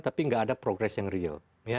tapi tidak ada progres yang real